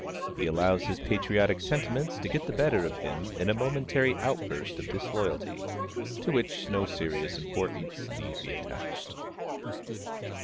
He allows his patriotic sentiments to get the better of him in a momentary outburst of disloyalty to which no serious importance need be attached.